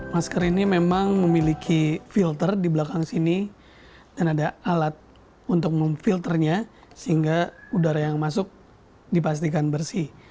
masker ini memang memiliki filter di belakang sini dan ada alat untuk memfilternya sehingga udara yang masuk dipastikan bersih